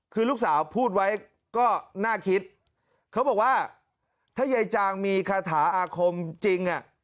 คือลูกสาวพูดไว้ก็น่าคิดเขาบอกว่าถ้ายายจางมีคาถาอาคมจริงอ่ะ